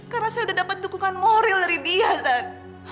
karena saya sudah dapat dukungan moral dari dia zan